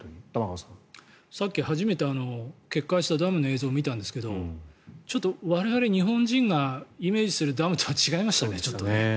さっき初めて決壊したダムの映像を見たんですがちょっと我々日本人がイメージするダムとは違いましたね。